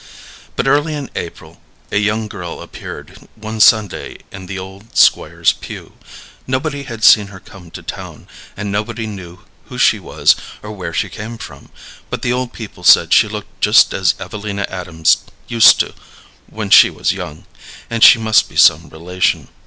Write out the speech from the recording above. But early in April a young girl appeared one Sunday in the old Squire's pew. Nobody had seen her come to town, and nobody knew who she was or where she came from, but the old people said she looked just as Evelina Adams used to when she was young, and she must be some relation.